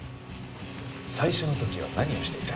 最初の時は何をしていた？